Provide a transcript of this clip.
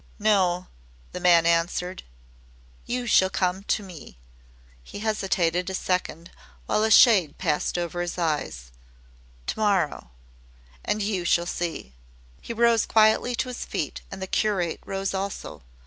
"No," the man answered, "you shall come to me" he hesitated a second while a shade passed over his eyes "TO MORROW. And you shall see." He rose quietly to his feet and the curate rose also.